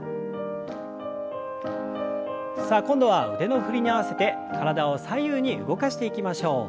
さあ今度は腕の振りに合わせて体を左右に動かしていきましょう。